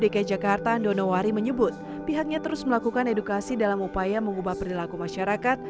dki jakarta andono wari menyebut pihaknya terus melakukan edukasi dalam upaya mengubah perilaku masyarakat